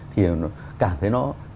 thì cảm thấy nó